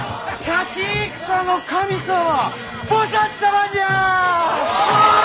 勝ち戦の神様菩薩様じゃ！